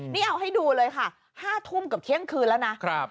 นี่เอาให้ดูเลยค่ะ๕ทุ่มเกือบเที่ยงคืนแล้วนะ